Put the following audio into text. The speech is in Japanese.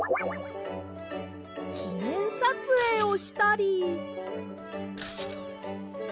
きねんさつえいをしたり。